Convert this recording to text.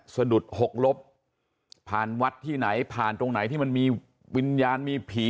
สะดุดหกลบผ่านวัดที่ไหนผ่านตรงไหนที่มันมีวิญญาณมีผี